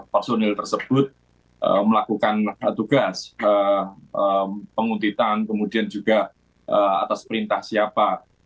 personil tersebut melakukan tugas penguntitan kemudian juga atas perintah siapa